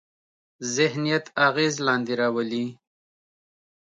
ذهنیت اغېز لاندې راولي.